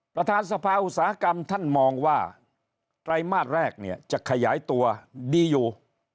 ประธานสภาอุตสาหกรรมท่านมองว่าไตรมาสแรกเนี่ยจะขยายตัวดีอยู่